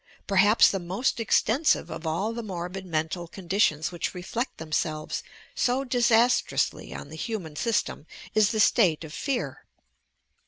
Perhaps the most extensive of all the morbid mental conditions which reflect themselves so disastrously on the human sy.itcm, is the state of fear.